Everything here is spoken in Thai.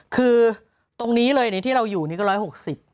คือตรงนี้เลยที่เราอยู่นี่ก็๑๖๐บาท